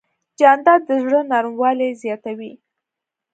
جانداد د زړه نرموالی زیاتوي.